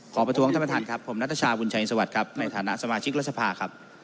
ประท้วงท่านประธานครับผมนัทชาวุญชัยสวัสดิ์ครับในฐานะสมาชิกรัฐสภาครับ